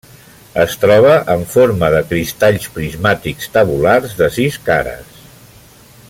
Es troba en forma de cristalls prismàtics tabulars de sis cares.